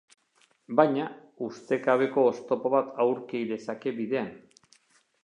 Baina ustekabeko oztopo bat aurki lezake bidean.